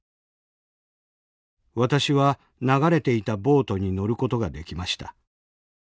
私は流れていたボートに乗ることができました。